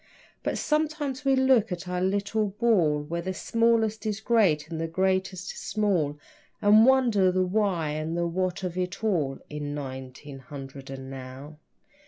But sometimes we look at our little ball Where the smallest is great and the greatest small And wonder the why and the what of it all In nineteen hundred and now.